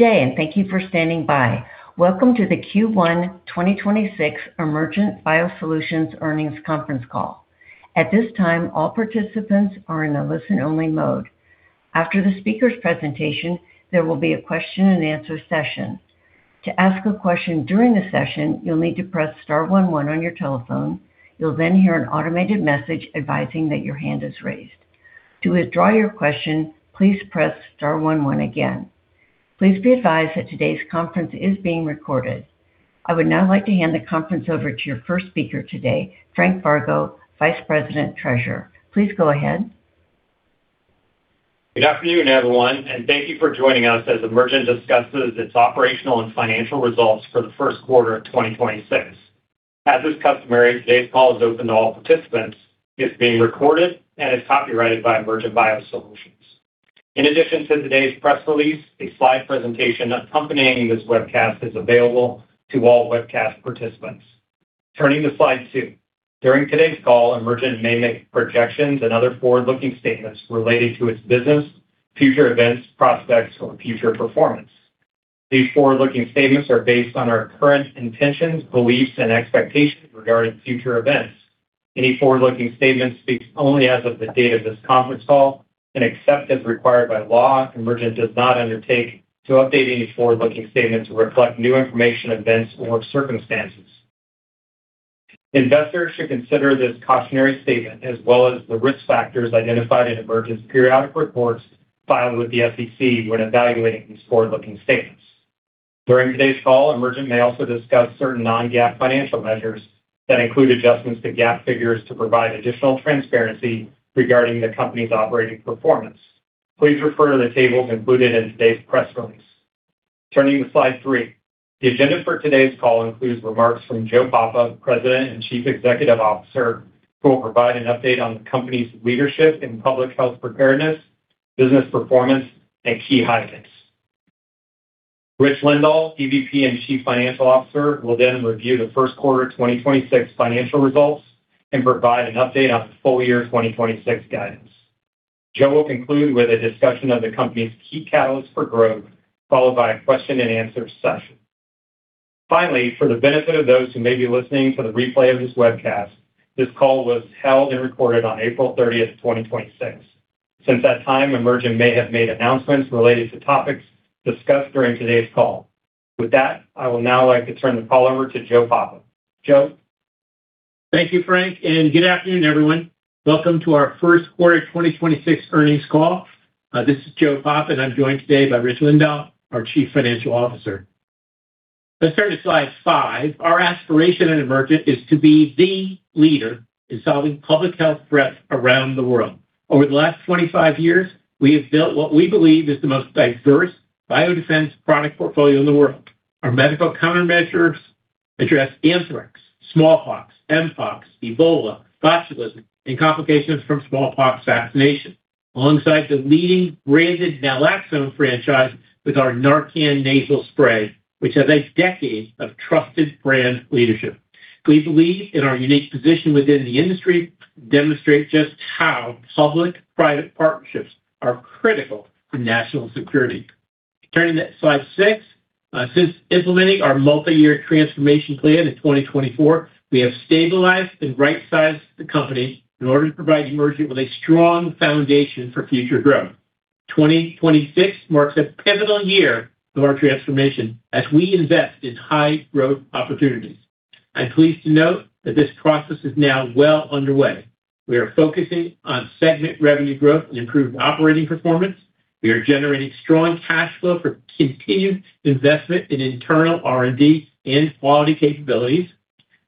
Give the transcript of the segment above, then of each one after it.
Good day, and thank you for standing by. Welcome to the Q1 2026 Emergent BioSolutions earnings conference call. At this time, all participants are in a listen-only mode. After the speaker's presentation, there will be a question-and-answer session. To ask a question during the session, you'll need to press star one one on your telephone. You'll then hear an automated message advising that your hand is raised. To withdraw your question, please press star one one again. Please be advised that today's conference is being recorded. I would now like to hand the conference over to your first speaker today, Frank Vargo, Vice President, Treasurer. Please go ahead. Good afternoon, everyone, and thank you for joining us as Emergent discusses its operational and financial results for the first quarter of 2026. As is customary, today's call is open to all participants. It's being recorded and is copyrighted by Emergent BioSolutions. In addition to today's press release, a slide presentation accompanying this webcast is available to all webcast participants. Turning to slide two. During today's call, Emergent may make projections and other forward-looking statements related to its business, future events, prospects, or future performance. These forward-looking statements are based on our current intentions, beliefs, and expectations regarding future events. Any forward-looking statements speak only as of the date of this conference call, and except as required by law, Emergent does not undertake to update any forward-looking statements to reflect new information, events, or circumstances. Investors should consider this cautionary statement, as well as the risk factors identified in Emergent's periodic reports filed with the SEC when evaluating these forward-looking statements. During today's call, Emergent may also discuss certain non-GAAP financial measures that include adjustments to GAAP figures to provide additional transparency regarding the company's operating performance. Please refer to the tables included in today's press release. Turning to slide three. The agenda for today's call includes remarks from Joe Papa, President and Chief Executive Officer, who will provide an update on the company's leadership in public health preparedness, business performance, and key highlights. Rich Lindahl, EVP and Chief Financial Officer, will then review the first quarter of 2026 financial results and provide an update on the full year 2026 guidance. Joe will conclude with a discussion of the company's key catalyst for growth, followed by a question-and-answer session. Finally, for the benefit of those who may be listening to the replay of this webcast, this call was held and recorded on April 30, 2026. Since that time, Emergent may have made announcements related to topics discussed during today's call. With that, I will now like to turn the call over to Joe Papa. Joe. Thank you, Frank, and good afternoon, everyone. Welcome to our first quarter of 2026 earnings call. This is Joe Papa, and I'm joined today by Rich Lindahl, our Chief Financial Officer. Let's turn to slide five. Our aspiration at Emergent is to be the leader in solving public health threats around the world. Over the last 25 years, we have built what we believe is the most diverse biodefense product portfolio in the world. Our medical countermeasures address anthrax, smallpox, mpox, Ebola, botulism, and complications from smallpox vaccination, alongside the leading branded naloxone franchise with our NARCAN Nasal Spray, which has a decade of trusted brand leadership. We believe in our unique position within the industry demonstrate just how public-private partnerships are critical for national security. Turning to slide six. Since implementing our multi-year transformation plan in 2024, we have stabilized and right-sized the company in order to provide Emergent with a strong foundation for future growth. 2026 marks a pivotal year of our transformation as we invest in high-growth opportunities. I'm pleased to note that this process is now well underway. We are focusing on segment revenue growth and improved operating performance. We are generating strong cash flow for continued investment in internal R&D and quality capabilities.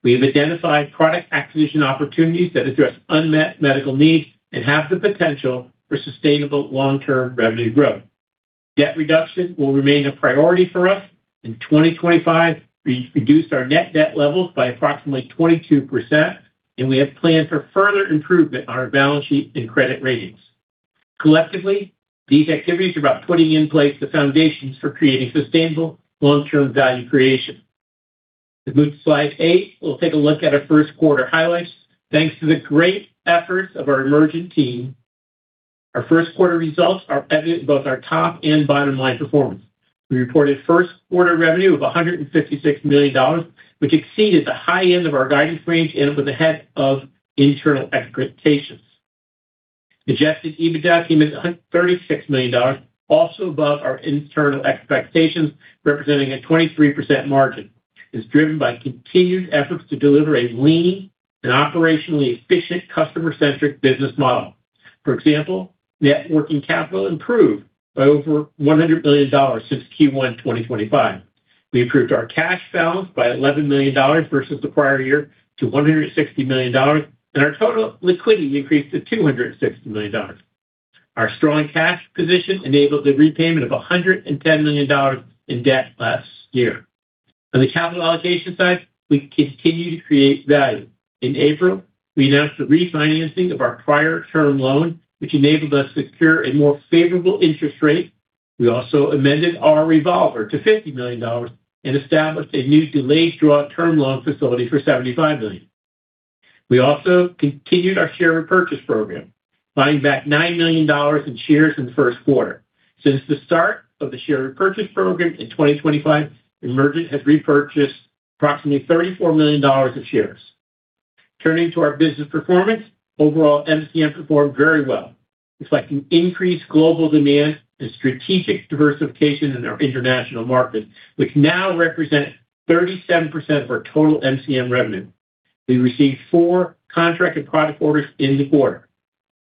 We have identified product acquisition opportunities that address unmet medical needs and have the potential for sustainable long-term revenue growth. Debt reduction will remain a priority for us. In 2025, we reduced our net debt levels by approximately 22%, and we have planned for further improvement on our balance sheet and credit ratings. Collectively, these activities are about putting in place the foundations for creating sustainable long-term value creation. To move to slide eight, we'll take a look at our first quarter highlights. Thanks to the great efforts of our Emergent team, our first quarter results are evident in both our top and bottom line performance. We reported first quarter revenue of $156 million, which exceeded the high end of our guidance range and was ahead of internal expectations. Adjusted EBITDA came in $136 million, also above our internal expectations, representing a 23% margin, is driven by continued efforts to deliver a lean and operationally efficient customer-centric business model. For example, net working capital improved by over $100 million since Q1 2025. We improved our cash balance by $11 million versus the prior year to $160 million, and our total liquidity increased to $260 million. Our strong cash position enabled the repayment of $110 million in debt last year. On the capital allocation side, we continue to create value. In April, we announced the refinancing of our prior term loan, which enabled us to secure a more favorable interest rate. We also amended our revolver to $50 million and established a new Delayed Draw Term Loan facility for $75 million. We also continued our share repurchase program, buying back $9 million in shares in the first quarter. Since the start of the share repurchase program in 2025, Emergent has repurchased approximately $34 million of shares. Turning to our business performance, overall MCM performed very well, reflecting increased global demand and strategic diversification in our international markets, which now represent 37% of our total MCM revenue. We received four contracted product orders in the quarter.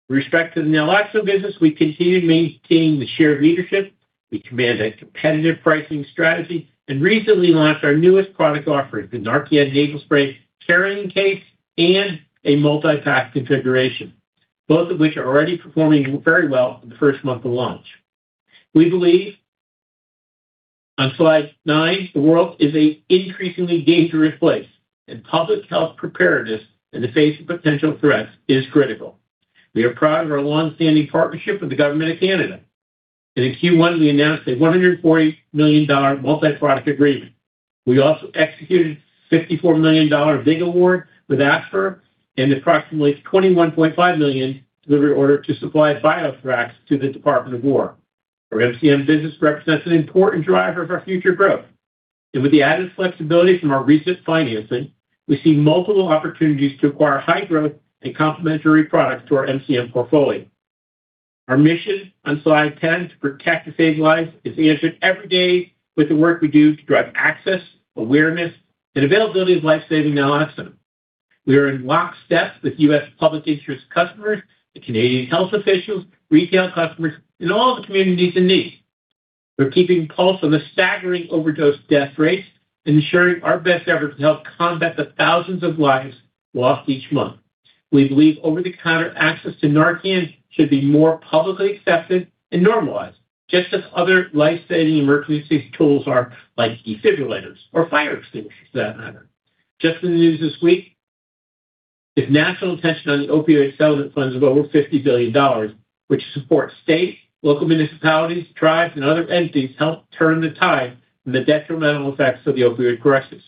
With respect to the naloxone business, we continue maintaining the share of leadership. We command a competitive pricing strategy and recently launched our newest product offerings, the NARCAN Nasal Spray carrying case and a multi-pack configuration, both of which are already performing very well in the first month of launch. We believe on slide nine the world is an increasingly dangerous place, and public health preparedness in the face of potential threats is critical. We are proud of our long-standing partnership with the government of Canada. In Q1, we announced a $140 million multi-product agreement. We also executed a $54 million VIGIV award with ASPR and approximately $21.5 million delivery order to supply BioThrax to the Department of Defense. Our MCM business represents an important driver of our future growth. With the added flexibility from our recent financing, we see multiple opportunities to acquire high growth and complementary products to our MCM portfolio. Our mission on slide 10 to protect and save lives is answered every day with the work we do to drive access, awareness, and availability of life-saving naloxone. We are in lockstep with U.S. public interest customers, the Canadian health officials, retail customers, and all the communities in need. We're keeping pulse on the staggering overdose death rates and ensuring our best efforts to help combat the thousands of lives lost each month. We believe over-the-counter access to NARCAN should be more publicly accepted and normalized, just as other life-saving emergency tools are like defibrillators or fire extinguishers for that matter. Just in the news this week is national attention on the opioid settlement funds of over $50 billion, which support state, local municipalities, tribes, and other entities to help turn the tide and the detrimental effects of the opioid crisis.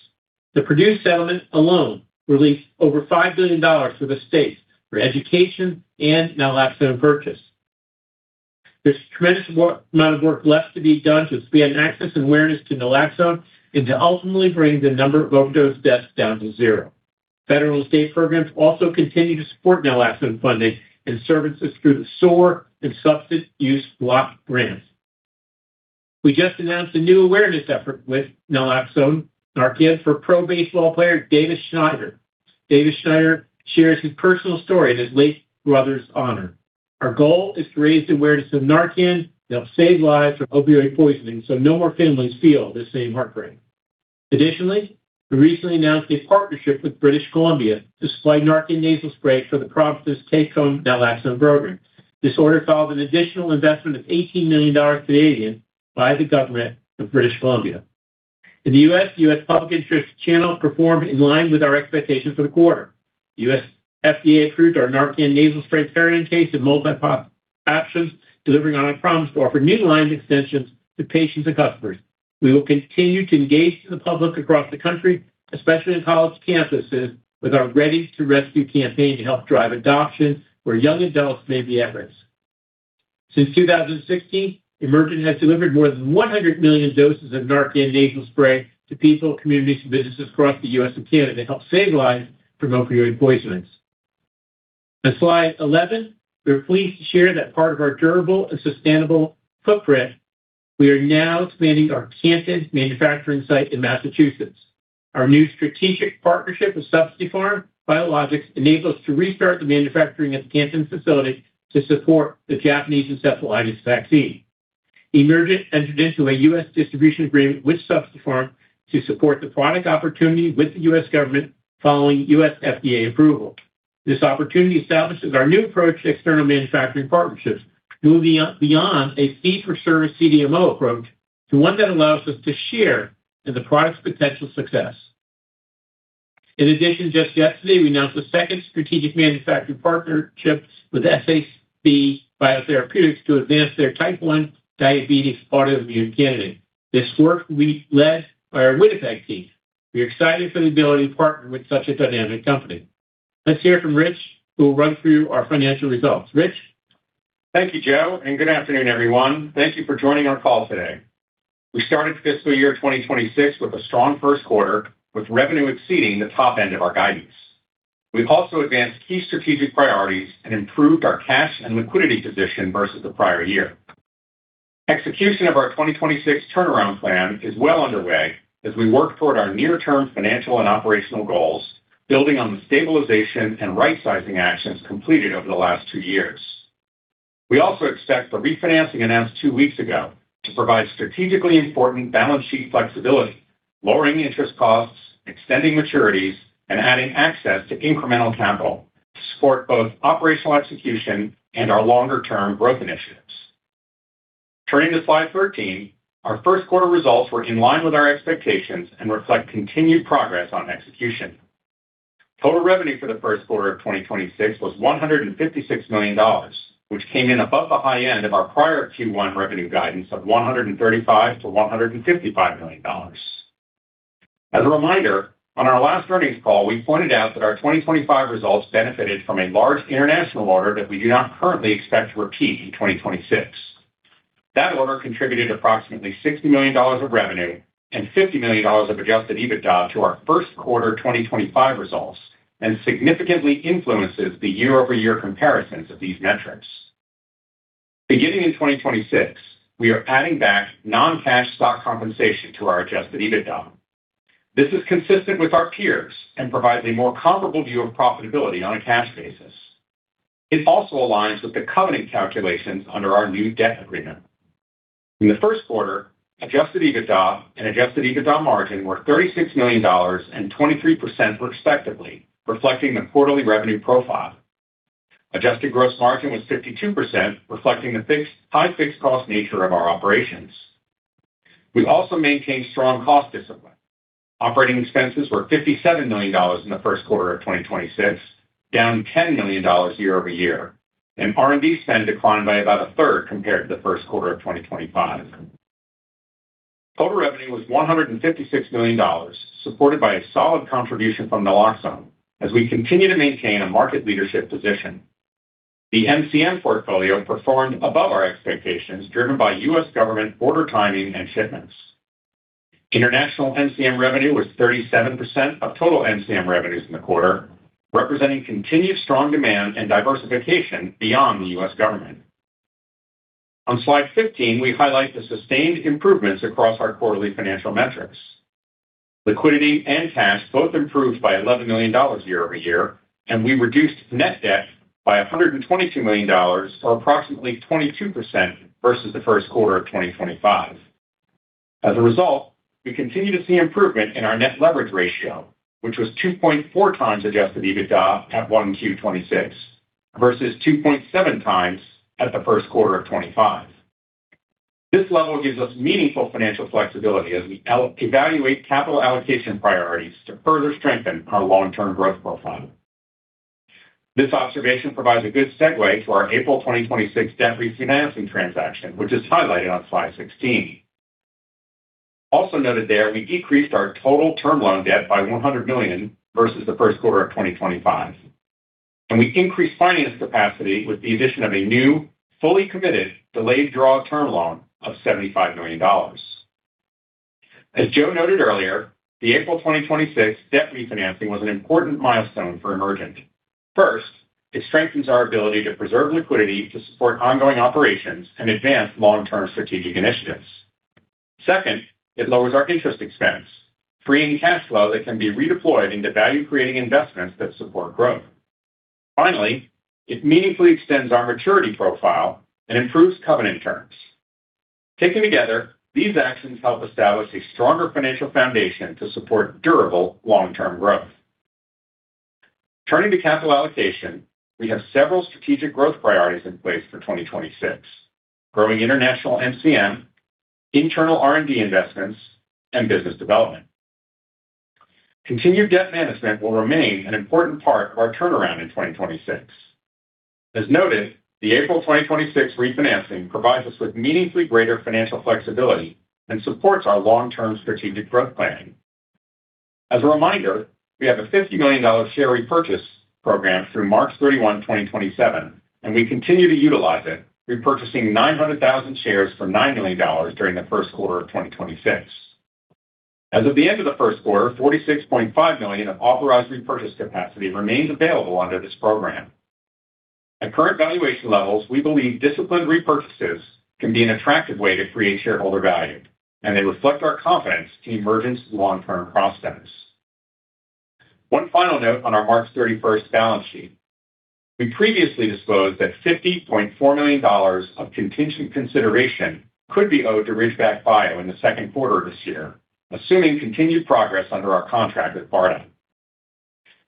The Purdue settlement alone released over $5 billion for the state for education and naloxone purchase. There is a tremendous amount of work left to be done to expand access and awareness to naloxone and to ultimately bring the number of overdose deaths down to zero. Federal and state programs also continue to support naloxone funding and services through the SOR and Substance Use Block Grants. We just announced a new awareness effort with naloxone, NARCAN for pro baseball player Davis Schneider. Davis Schneider shares his personal story in his late brother's honor. Our goal is to raise awareness of NARCAN to help save lives from opioid poisoning, so no more families feel the same heartbreak. We recently announced a partnership with British Columbia to supply NARCAN Nasal Spray for the province's take-home naloxone program. This order follows an additional investment of 18 million Canadian dollars by the government of British Columbia. In the U.S., U.S. public interest channel performed in line with our expectations for the quarter. U.S. FDA approved our NARCAN Nasal Spray carrying case and multi-pack options, delivering on our promise to offer new line extensions to patients and customers. We will continue to engage the public across the country, especially on college campuses, with our Ready to Rescue campaign to help drive adoption where young adults may be at risk. Since 2016, Emergent has delivered more than 100 million doses of NARCAN Nasal Spray to people, communities and businesses across the U.S. and Canada to help save lives from opioid poisonings. On slide 11, we are pleased to share that part of our durable and sustainable footprint, we are now expanding our Canton manufacturing site in Massachusetts. Our new strategic partnership with Substipharm Biologics enables us to restart the manufacturing at the Canton facility to support the Japanese encephalitis vaccine. Emergent entered into a U.S. distribution agreement with Substipharm to support the product opportunity with the U.S. government following U.S. FDA approval. This opportunity establishes our new approach to external manufacturing partnerships, moving beyond a fee-for-service CDMO approach to one that allows us to share in the product's potential success. In addition, just yesterday, we announced a second strategic manufacturing partnership with SAB Biotherapeutics to advance their type 1 diabetes autoimmune candidate. This work will be led by our Winnipeg team. We are excited for the ability to partner with such a dynamic company. Let's hear from Rich, who will run through our financial results. Rich? Thank you, Joe. Good afternoon, everyone. Thank you for joining our call today. We started fiscal year 2026 with a strong first quarter with revenue exceeding the top end of our guidance. We've also advanced key strategic priorities and improved our cash and liquidity position versus the prior year. Execution of our 2026 turnaround plan is well underway as we work toward our near-term financial and operational goals, building on the stabilization and rightsizing actions completed over the last two years. We also expect the refinancing announced two weeks ago to provide strategically important balance sheet flexibility, lowering interest costs, extending maturities, and adding access to incremental capital to support both operational execution and our longer-term growth initiatives. Turning to slide 13, our first quarter results were in line with our expectations and reflect continued progress on execution. Total revenue for the first quarter of 2026 was $156 million, which came in above the high end of our prior Q1 revenue guidance of $135 million-$155 million. As a reminder, on our last earnings call, we pointed out that our 2025 results benefited from a large international order that we do not currently expect to repeat in 2026. That order contributed approximately $60 million of revenue and $50 million of Adjusted EBITDA to our first quarter 2025 results and significantly influences the year-over-year comparisons of these metrics. Beginning in 2026, we are adding back non-cash stock compensation to our Adjusted EBITDA. This is consistent with our peers and provides a more comparable view of profitability on a cash basis. It also aligns with the covenant calculations under our new debt agreement. In the first quarter, Adjusted EBITDA and Adjusted EBITDA margin were $36 million and 23% respectively, reflecting the quarterly revenue profile. Adjusted gross margin was 52%, reflecting the high fixed cost nature of our operations. We also maintained strong cost discipline. Operating expenses were $57 million in the first quarter of 2026, down $10 million year-over-year, and R&D spend declined by about a third compared to the first quarter of 2025. Total revenue was $156 million, supported by a solid contribution from naloxone as we continue to maintain a market leadership position. The MCM portfolio performed above our expectations, driven by U.S. government order timing and shipments. International MCM revenue was 37% of total MCM revenues in the quarter, representing continued strong demand and diversification beyond the U.S. government. On slide 15, we highlight the sustained improvements across our quarterly financial metrics. Liquidity and cash both improved by $11 million year-over-year, and we reduced net debt by $122 million, or approximately 22% versus the first quarter of 2025. As a result, we continue to see improvement in our Net Leverage Ratio, which was 2.4x Adjusted EBITDA at 1Q 2026 versus 2.7x at the first quarter of 2025. This level gives us meaningful financial flexibility as we evaluate capital allocation priorities to further strengthen our long-term growth profile. This observation provides a good segue to our April 2026 debt refinancing transaction, which is highlighted on slide 16. Also noted there, we decreased our total term loan debt by $100 million versus the first quarter of 2025, and we increased finance capacity with the addition of a new, fully committed, delayed draw term loan of $75 million. As Joe noted earlier, the April 2026 debt refinancing was an important milestone for Emergent. First, it strengthens our ability to preserve liquidity to support ongoing operations and advance long-term strategic initiatives. Second, it lowers our interest expense, freeing cash flow that can be redeployed into value-creating investments that support growth. Finally, it meaningfully extends our maturity profile and improves covenant terms. Taken together, these actions help establish a stronger financial foundation to support durable long-term growth. Turning to capital allocation, we have several strategic growth priorities in place for 2026: growing international MCM, internal R&D investments, and business development. Continued debt management will remain an important part of our turnaround in 2026. As noted, the April 2026 refinancing provides us with meaningfully greater financial flexibility and supports our long-term strategic growth planning. As a reminder, we have a $50 million share repurchase program through March 31, 2027. We continue to utilize it, repurchasing 900,000 shares for $9 million during the first quarter of 2026. As of the end of the first quarter, $46.5 million of authorized repurchase capacity remains available under this program. At current valuation levels, we believe disciplined repurchases can be an attractive way to create shareholder value. They reflect our confidence in Emergent's long-term prospects. One final note on our March 31st balance sheet. We previously disclosed that $50.4 million of contingent consideration could be owed to Ridgeback Bio in the second quarter of this year, assuming continued progress under our contract with BARDA.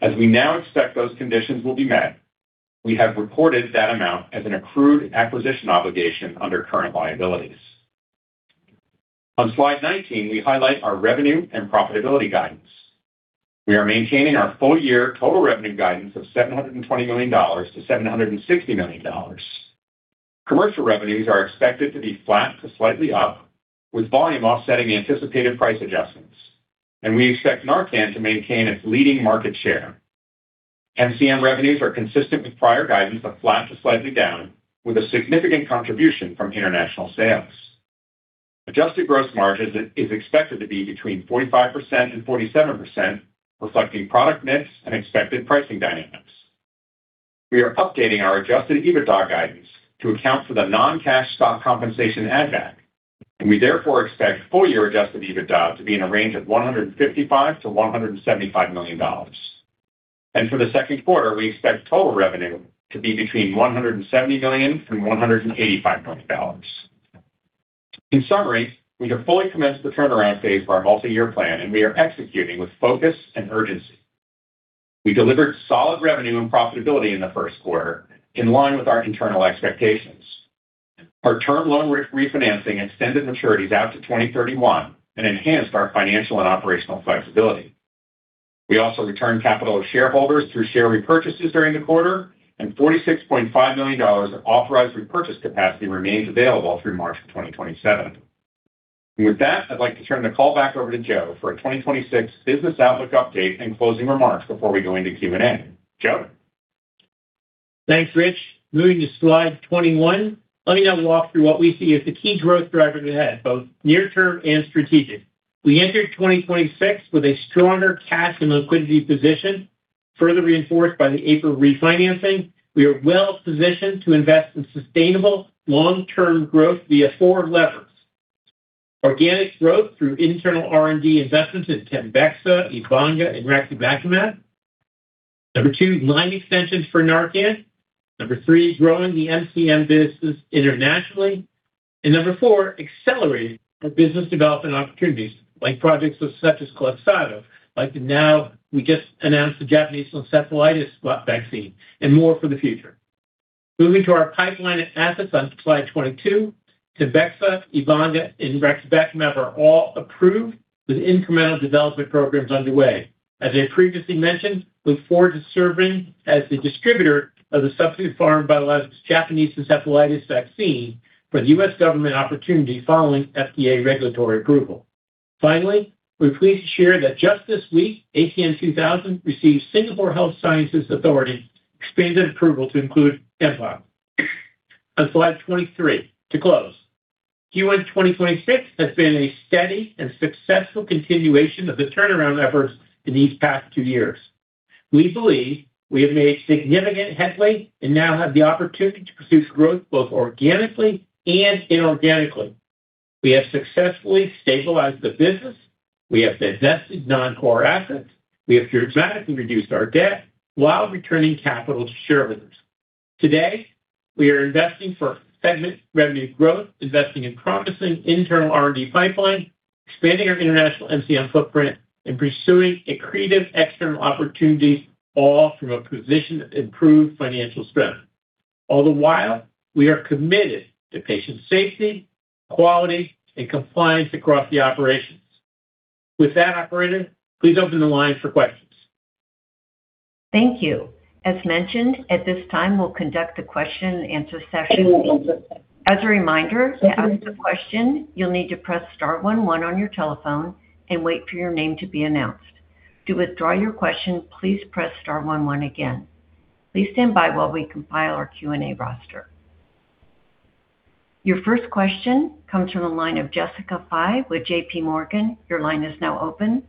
As we now expect those conditions will be met, we have reported that amount as an accrued acquisition obligation under current liabilities. On slide 19, we highlight our revenue and profitability guidance. We are maintaining our full year total revenue guidance of $720 million-$760 million. Commercial revenues are expected to be flat to slightly up, with volume offsetting anticipated price adjustments, and we expect NARCAN to maintain its leading market share. MCM revenues are consistent with prior guidance of flat to slightly down, with a significant contribution from international sales. Adjusted gross margins is expected to be between 45% and 47%, reflecting product mix and expected pricing dynamics. We are updating our Adjusted EBITDA guidance to account for the non-cash stock compensation add back, we therefore expect full year Adjusted EBITDA to be in a range of $155 million to $175 million. For the second quarter, we expect total revenue to be between $170 million and $185 million. In summary, we have fully commenced the turnaround phase of our multi-year plan, and we are executing with focus and urgency. We delivered solid revenue and profitability in the first quarter, in line with our internal expectations. Our term loan refinancing extended maturities out to 2031 and enhanced our financial and operational flexibility. We also returned capital to shareholders through share repurchases during the quarter, and $46.5 million of authorized repurchase capacity remains available through March 2027. With that, I'd like to turn the call back over to Joe for a 2026 business outlook update and closing remarks before we go into Q&A. Joe? Thanks, Rich. Moving to slide 21, let me now walk through what we see as the key growth drivers ahead, both near term and strategic. We entered 2026 with a stronger cash and liquidity position, further reinforced by the April refinancing. We are well-positioned to invest in sustainable long-term growth via four levers. Organic growth through internal R&D investments in TEMBEXA, Ebanga, and Raxibacumab. Number 2, line extensions for NARCAN. Number 3, growing the MCM business internationally. Number 4, accelerating our business development opportunities like projects such as KLOXXADO, like now we just announced the Japanese encephalitis vaccine and more for the future. Moving to our pipeline of assets on slide 22, TEMBEXA, Ebanga, and Raxibacumab are all approved with incremental development programs underway. As I previously mentioned, we look forward to serving as the distributor of the Substipharm Biologics Japanese encephalitis vaccine for the U.S. government opportunity following FDA regulatory approval. We're pleased to share that just this week, ACAM2000 received Singapore Health Sciences Authority expanded approval to include mpox. On slide 23, to close. Q1 2026 has been a steady and successful continuation of the turnaround efforts in these past two years. We believe we have made significant headway and now have the opportunity to pursue growth both organically and inorganically. We have successfully stabilized the business. We have divested non-core assets. We have dramatically reduced our debt while returning capital to shareholders. Today, we are investing for segment revenue growth, investing in promising internal R&D pipeline, expanding our international MCM footprint, and pursuing accretive external opportunities, all from a position of improved financial strength. All the while, we are committed to patient safety, quality, and compliance across the operations. With that, operator, please open the line for questions. Thank you. As mentioned, at this time, we will conduct the question-and-answer session. As a reminder, to ask a question, you will need to press star one one on your telephone and wait for your name to be announced. To withdraw your question, please press star one one again. Please stand by while we compile our Q&A roster. Your first question comes from the line of Jessica Fye with JPMorgan. Your line is now open.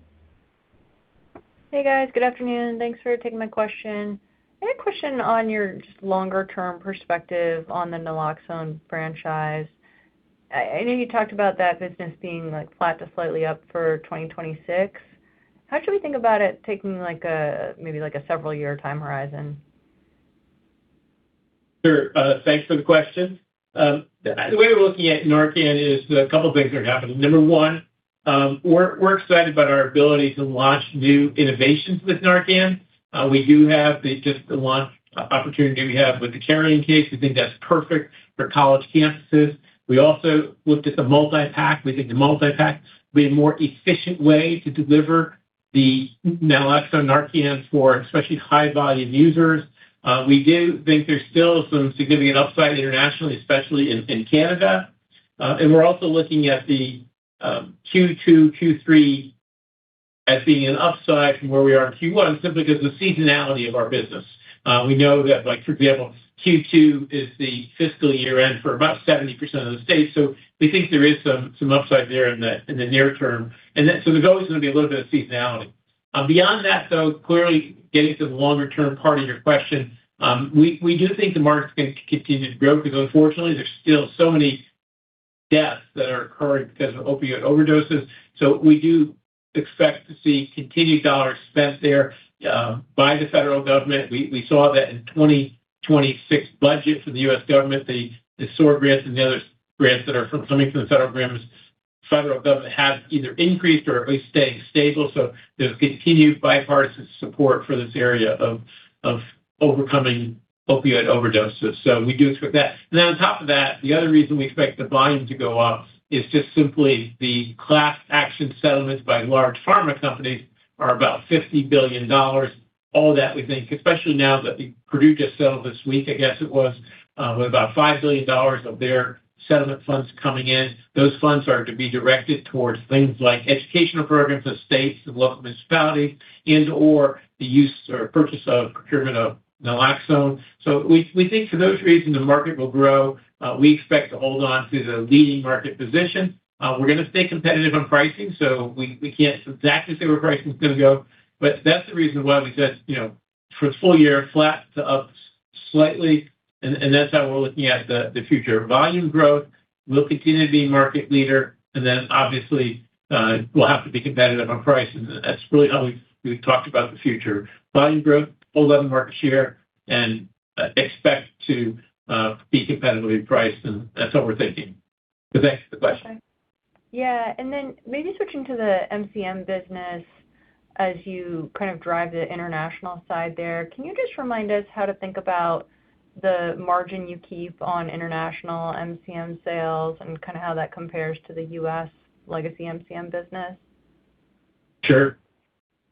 Hey, guys. Good afternoon. Thanks for taking my question. I had a question on your just longer-term perspective on the naloxone franchise. I know you talked about that business being, like, flat to slightly up for 2026. How should we think about it taking, like, a maybe, like, a several year time horizon? Sure. Thanks for the question. The way we're looking at NARCAN is a couple things are happening. Number one, we're excited about our ability to launch new innovations with NARCAN. We do have just the launch opportunity we have with the carrying case. We think that's perfect for college campuses. We also looked at the multi-pack. We think the multi-pack will be a more efficient way to deliver the naloxone NARCAN for especially high volume users. We do think there's still some significant upside internationally, especially in Canada. We're also looking at the Q2, Q3 as being an upside from where we are in Q1 simply because the seasonality of our business. We know that, like, for example, Q2 is the fiscal year end for about 70% of the states. We think there is some upside there in the near term. There's always going to be a little bit of seasonality. Beyond that, clearly getting to the longer-term part of your question, we do think the market's going to continue to grow because unfortunately, there's still so many deaths that are occurring because of opioid overdoses. We do expect to see continued dollar spend there by the federal government. We saw that in 2026 budget for the U.S. government, the SOR grants and the other grants coming from the federal government have either increased or at least staying stable. There's continued bipartisan support for this area of overcoming opioid overdoses. We do expect that. On top of that, the other reason we expect the volume to go up is just simply the class action settlements by large pharma companies are about $50 billion. All that we think, especially now that Purdue just settled this week, I guess it was, with about $5 billion of their settlement funds coming in. Those funds are to be directed towards things like educational programs for states and local municipalities and/or the use or purchase of procurement of naloxone. We think for those reasons, the market will grow. We expect to hold on to the leading market position. We're going to stay competitive on pricing, so we can't exactly say where pricing is going to go. That's the reason why we said, you know, for full year, flat to up slightly, and that's how we're looking at the future. Volume growth, we'll continue to be market leader, and then obviously, we'll have to be competitive on pricing. That's really how we talked about the future. Volume growth, hold on market share, and expect to be competitively priced, and that's what we're thinking. Thanks for the question. Yeah. Maybe switching to the MCM business as you kind of drive the international side there. Can you just remind us how to think about? The margin you keep on international MCM sales and kind of how that compares to the U.S. legacy MCM business. Sure.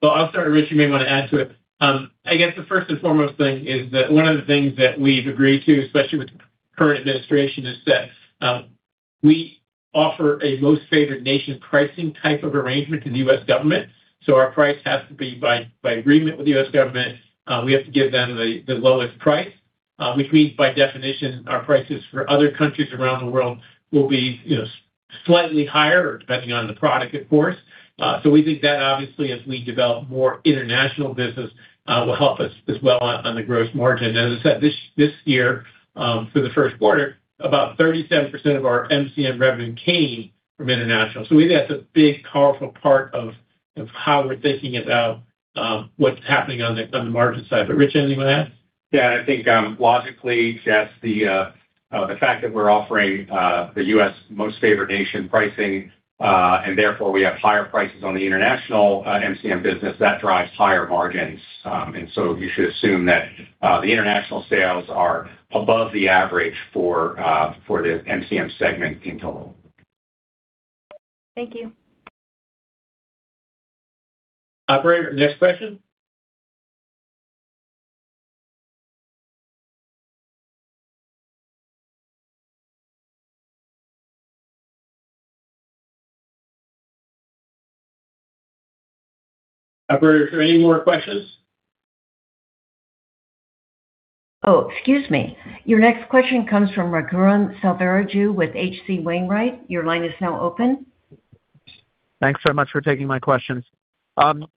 Well, I'll start, and Rich, you may want to add to it. I guess the first and foremost thing is that one of the things that we've agreed to, especially with the current administration, is that we offer a most favored nation pricing type of arrangement to the U.S. government. Our price has to be by agreement with the U.S. government. We have to give them the lowest price, which means by definition, our prices for other countries around the world will be, you know, slightly higher or depending on the product, of course. We think that obviously, as we develop more international business, will help us as well on the gross margin. As I said, this year, for the first quarter, about 37% of our MCM revenue came from international. We think that's a big powerful part of how we're thinking about what's happening on the, on the margin side. Rich, anything to add? I think, logically, just the fact that we're offering the U.S. most favored nation pricing, and therefore we have higher prices on the international MCM business, that drives higher margins. You should assume that the international sales are above the average for the MCM segment in total. Thank you. Operator, next question. Operator, are there any more questions? Oh, excuse me. Your next question comes from Raghuram Selvaraju with H.C. Wainwright. Your line is now open. Thanks so much for taking my questions.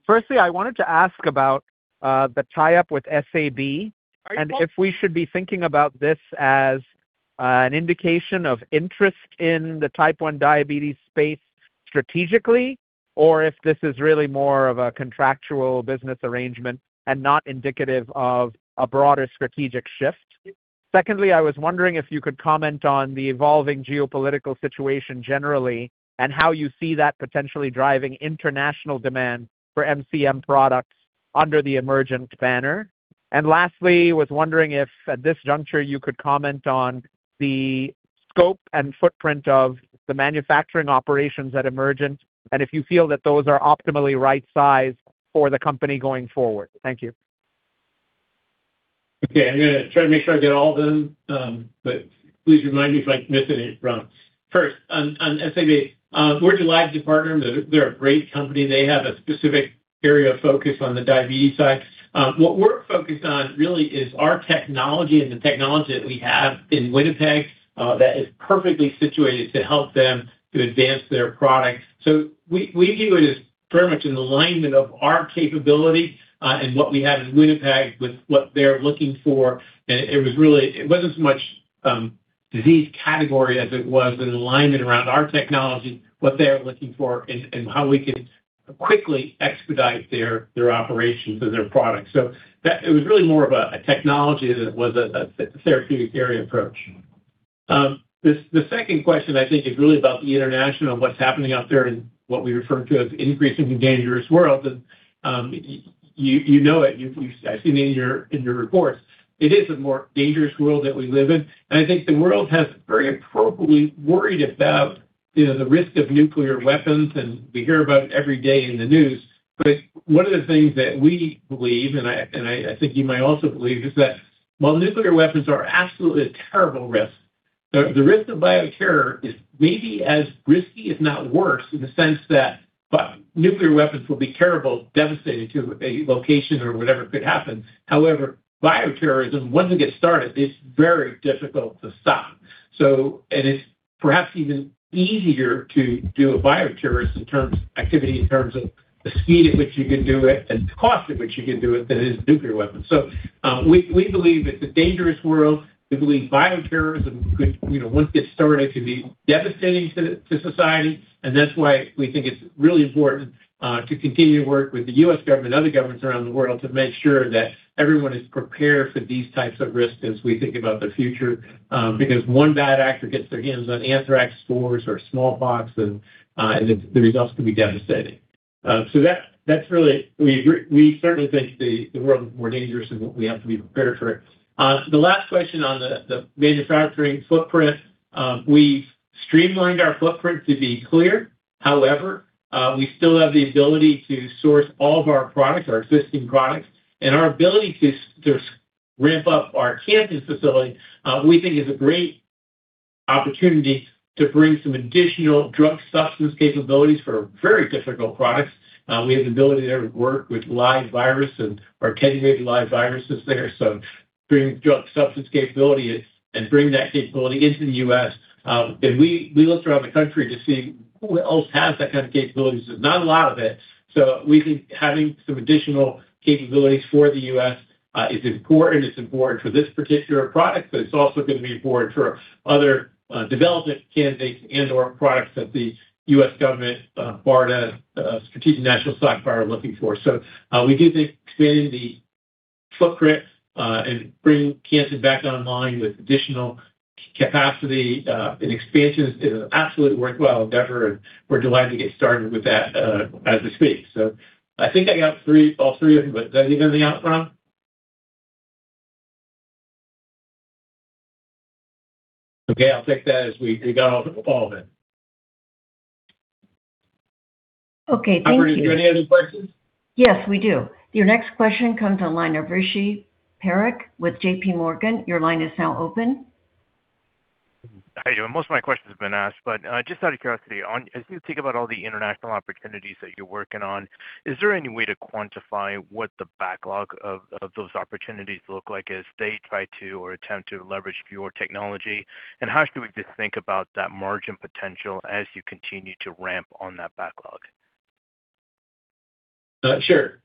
Firstly, I wanted to ask about the tie-up with SAB. Are you- If we should be thinking about this as an indication of interest in the Type 1 diabetes space strategically, or if this is really more of a contractual business arrangement and not indicative of a broader strategic shift. Secondly, I was wondering if you could comment on the evolving geopolitical situation generally and how you see that potentially driving international demand for MCM products under the Emergent banner. Lastly, I was wondering if at this juncture, you could comment on the scope and footprint of the manufacturing operations at Emergent, and if you feel that those are optimally right-sized for the company going forward. Thank you. Okay. I'm gonna try to make sure I get all of them, please remind me if I'm missing any, Ram. First, on SAB. We're delighted to partner. They're a great company. They have a specific area of focus on the diabetes side. What we're focused on really is our technology and the technology that we have in Winnipeg that is perfectly situated to help them to advance their product. We view it as very much an alignment of our capability and what we have in Winnipeg with what they're looking for. It wasn't as much disease category as it was an alignment around our technology, what they're looking for and how we could quickly expedite their operations or their products. It was really more of a technology than it was a therapeutic area approach. The second question I think is really about the international, what's happening out there and what we refer to as increasingly dangerous world. You know it, you've seen it in your reports. It is a more dangerous world that we live in. I think the world has very appropriately worried about, you know, the risk of nuclear weapons, and we hear about it every day in the news. One of the things that we believe, and I think you might also believe, is that while nuclear weapons are absolutely a terrible risk, the risk of bioterror is maybe as risky, if not worse, in the sense that nuclear weapons will be terrible, devastating to a location or whatever could happen. However, bioterrorism, once it gets started, it's very difficult to stop. And it's perhaps even easier to do a bioterrorist activity in terms of the speed at which you can do it and the cost at which you can do it than it is nuclear weapons. We believe it's a dangerous world. We believe bioterrorism could, you know, once it gets started, could be devastating to society, and that's why we think it's really important to continue to work with the U.S. government and other governments around the world to make sure that everyone is prepared for these types of risks as we think about the future, because one bad actor gets their hands on anthrax spores or smallpox, and the results could be devastating. We certainly think the world is more dangerous, and we have to be prepared for it. The last question on the manufacturing footprint. We've streamlined our footprint to be clear. We still have the ability to source all of our products, our existing products, and our ability to ramp up our Canton facility, we think is a great opportunity to bring some additional drug substance capabilities for very difficult products. We have the ability to work with live virus or Category B live viruses there. Bring drug substance capability and bring that capability into the U.S. We looked around the country to see who else has that kind of capability. There's not a lot of it. We think having some additional capabilities for the U.S. is important. It's important for this particular product, but it's also going to be important for other development candidates and/or products that the U.S. government, BARDA, Strategic National Stockpile are looking for. We do think expanding the footprint, and bringing Canton back online with additional capacity and expansion is an absolutely worthwhile endeavor, and we're delighted to get started with that as we speak. I think I got three, all three of them, but did I leave anything out, Frank Vargo? Okay, I'll take that as we got all of it. Okay, thank you. Operator, do we have any other questions? Yes, we do. Your next question comes on the line of Rishi Parekh with JPMorgan. Your line is now open. Hi, Joe. Most of my questions have been asked, but, just out of curiosity, as you think about all the international opportunities that you're working on, is there any way to quantify what the backlog of those opportunities look like as they try to or attempt to leverage your technology? How should we just think about that margin potential as you continue to ramp on that backlog? Sure.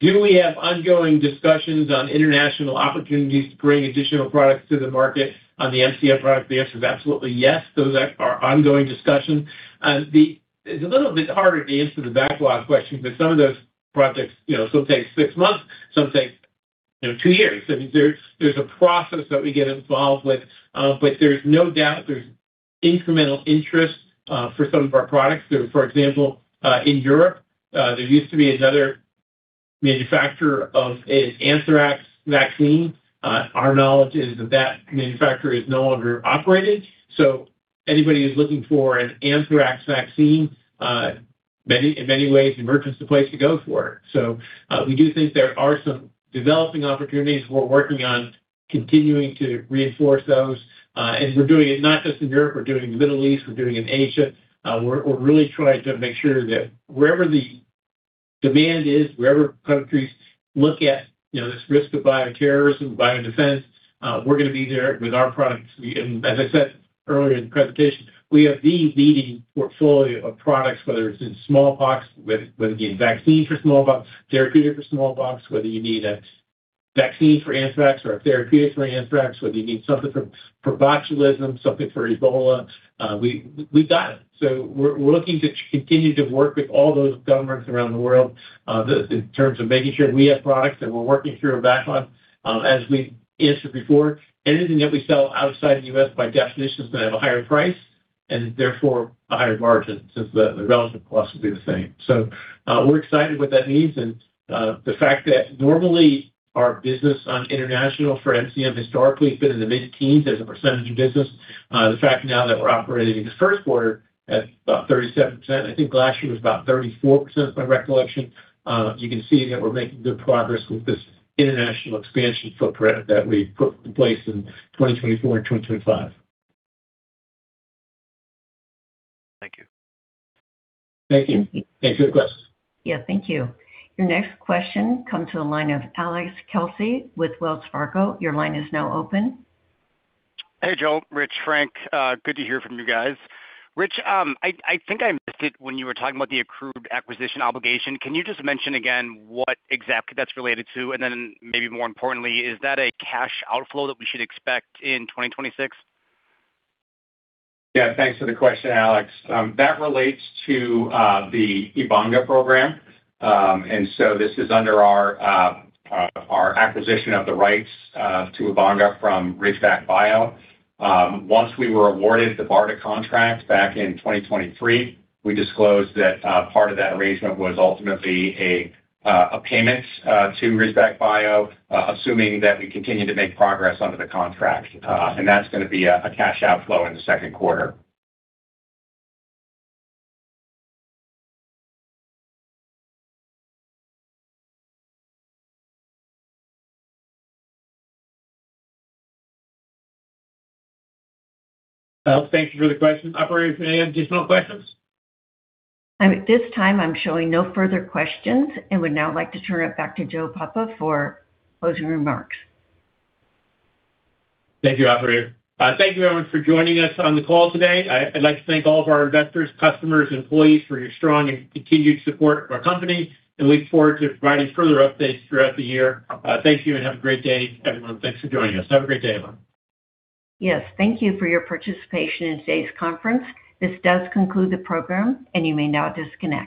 Do we have ongoing discussions on international opportunities to bring additional products to the market on the MCM product? The answer is absolutely yes. Those are our ongoing discussions. It's a little bit harder to answer the backlog question because some of those projects, you know, some take 6 months, some take, you know, 2 years. I mean, there's a process that we get involved with, but there's no doubt there's incremental interest for some of our products. For example, in Europe, there used to be another manufacturer of a anthrax vaccine. Our knowledge is that that manufacturer is no longer operating, so anybody who's looking for an anthrax vaccine, in many ways Emergent's the place to go for it. We do think there are some developing opportunities we're working on continuing to reinforce those. We're doing it not just in Europe, we're doing it in the Middle East, we're doing it in Asia. We're really trying to make sure that wherever the demand is, wherever countries look at, you know, this risk of bioterrorism, biodefense, we're gonna be there with our products. As I said earlier in the presentation, we have the leading portfolio of products, whether it's in smallpox, whether it be a vaccine for smallpox, therapeutic for smallpox, whether you need a vaccine for anthrax or a therapeutic for anthrax, whether you need something for botulism, something for Ebola, we got it. We're looking to continue to work with all those governments around the world, in terms of making sure we have products, that we're working through our backlog. As we answered before, anything that we sell outside the U.S. by definition is gonna have a higher price, and therefore a higher margin, since the relative cost will be the same. We're excited what that means. The fact that normally our business on international for MCM historically has been in the mid-teens as a percentage of business. The fact now that we're operating in the first quarter at about 37%, I think last year was about 34% by recollection, you can see that we're making good progress with this international expansion footprint that we put in place in 2024 and 2025. Thank you. Thank you. Thanks for the question. Yeah, thank you. Your next question comes to the line of Alex Kelsey with Wells Fargo. Your line is now open. Hey, Joe, Rich, Frank. Good to hear from you guys. Rich, I think I missed it when you were talking about the accrued acquisition obligation. Can you just mention again what exactly that's related to? Maybe more importantly, is that a cash outflow that we should expect in 2026? Yeah. Thanks for the question, Alex. That relates to the Ebanga program. This is under our acquisition of the rights to Ebanga from Ridgeback Biotherapeutics. Once we were awarded the BARDA contract back in 2023, we disclosed that part of that arrangement was ultimately a payment to Ridgeback Biotherapeutics, assuming that we continue to make progress under the contract. That's gonna be a cash outflow in the second quarter. Alex, thank you for the question. Operator, any additional questions? At this time, I'm showing no further questions and would now like to turn it back to Joe Papa for closing remarks. Thank you, operator. Thank you everyone for joining us on the call today. I'd like to thank all of our investors, customers, employees for your strong and continued support of our company and look forward to providing further updates throughout the year. Thank you and have a great day, everyone. Thanks for joining us. Have a great day, everyone. Yes, thank you for your participation in today's conference. This does conclude the program, and you may now disconnect.